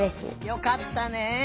よかったね！